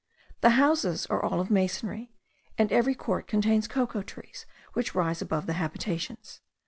The houses are all of masonry, and every court contains cocoa trees, which rise above the habitations.